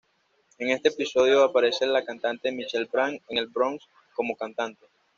En este episodio aparece la cantante Michelle Branch en el Bronze como cantante.